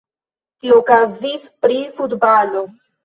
Tio okazis pri futbalo.